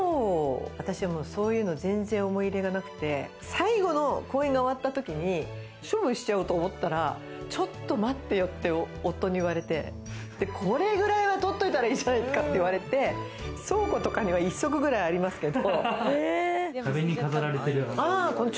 最後の公演が終わった時に処分しちゃおうと思ったら、ちょっと待ってよって夫に言われて、これくらいはとっといたらいいんじゃないかって言われて、倉庫とかに、一足くらいありますけど。